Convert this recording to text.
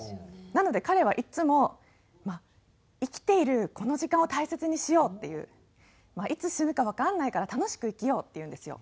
なので彼はいつも「生きているこの時間を大切にしよう」っていう「いつ死ぬかわからないから楽しく生きよう」って言うんですよ。